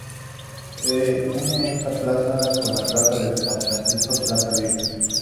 Une está plaza con la plaza de San Francisco o plaza Vieja.